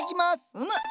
うむ！